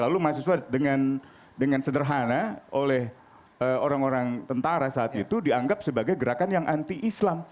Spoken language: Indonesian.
lalu mahasiswa dengan sederhana oleh orang orang tentara saat itu dianggap sebagai gerakan yang anti islam